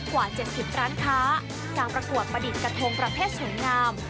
กว่า๗๐ร้านค้าการประกวดประดิษฐ์กระทงประเภทสวยงาม